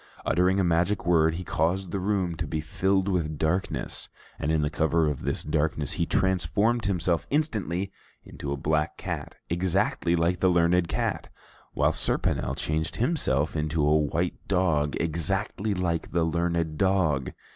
Uttering a magic word, he caused the room to be filled with darkness, and in the cover of this darkness he transformed himself instantly into a black cat exactly like the learned cat, while Serponel changed himself into a white dog exactly like the learned dog.